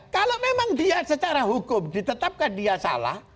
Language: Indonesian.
kalau memang dia secara hukum ditetapkan dia salah